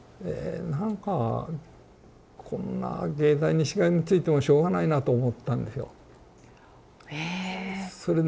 なんかこんな藝大にしがみついてもしょうがないなと思ったんでしょう。